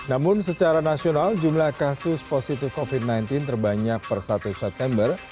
namun secara nasional jumlah kasus positif covid sembilan belas terbanyak per satu september